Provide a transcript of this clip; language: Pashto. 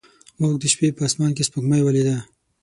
موږ د شپې په اسمان کې سپوږمۍ ولیده.